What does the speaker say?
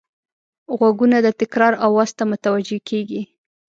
غوږونه د تکرار آواز ته متوجه کېږي